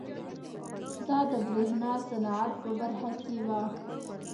دا د برېښنا صنعت په برخه کې وه.